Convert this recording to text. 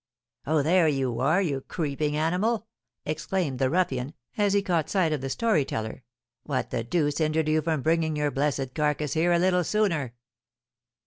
"Oh, there you are, you creeping animal!" exclaimed the ruffian, as he caught sight of the story teller. "What the deuce hindered you from bringing your blessed carcass here a little sooner?"